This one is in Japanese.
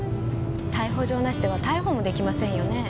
逮捕状なしでは逮捕も出来ませんよねぇ？